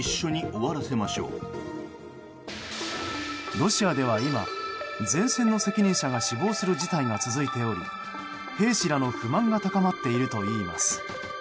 ロシアでは今、前線の責任者が死亡する事態が続いており兵士らの不満が高まっているといいます。